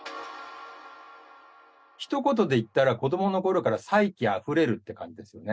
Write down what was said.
ひと言で言ったら、子どものころから才気あふれるっていう感じですよね。